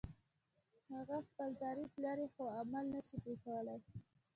هغه خپل تعریف لري خو عمل نشي پرې کولای.